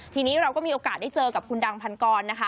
ทีนี้เราก็มีโอกาสได้เจอกับคุณดังพันกรนะคะ